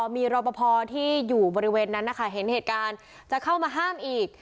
มีรอปภที่อยู่บริเวณนั้นนะคะเห็นเหตุการณ์จะเข้ามาห้ามอีก